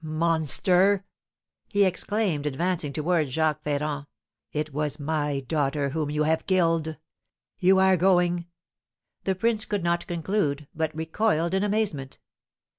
"Monster!" he exclaimed, advancing towards Jacques Ferrand, "it was my daughter whom you have killed! You are going " The prince could not conclude, but recoiled in amazement.